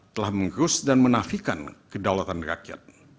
telah menggerus dan menafikan kedaulatan rakyat